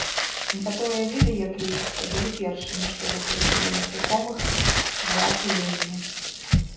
Некаторыя віды, як лічыцца, былі першымі, што выкарысталі насякомых для апылення.